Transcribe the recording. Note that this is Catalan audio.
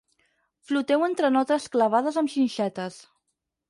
Floteu entre notes clavades amb xinxetes.